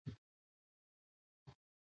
تاسو د ټولنیز منزلت څخه بې برخې کیږئ.